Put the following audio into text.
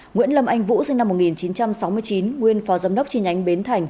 nguyễn lâm anh vũ sinh năm một nghìn chín trăm sáu mươi chín nguyên phó giám đốc tri nhánh bến thành